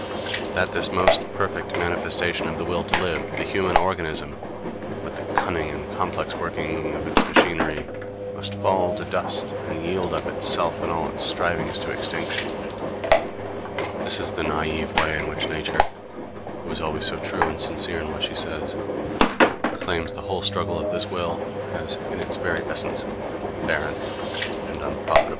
That this most perfect manifestation of the will to live, the human organism, with the cunning and complex working of its machinery, must fall to dust and yield up itself and all its strivings to extinction this is the naïve way in which Nature, who is always so true and sincere in what she says, proclaims the whole struggle of this will as in its very essence barren and unprofitable.